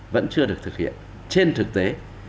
vẫn chưa được thực hiện trên thực tế